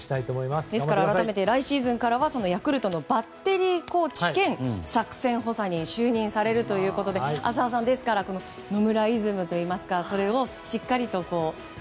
来シーズンからはヤクルトのバッテリーコーチ兼作戦補佐に就任されるということで浅尾さん野村イズムといいますかそれをしっかりと。